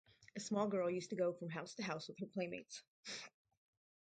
A small girl used to go from house to house with her playmates.